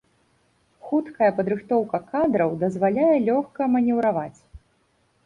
Хуткая падрыхтоўка кадраў дазваляе лёгка манеўраваць.